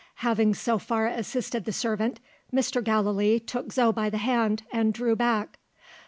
Having so far assisted the servant, Mr. Gallilee took Zo by the hand, and drew back.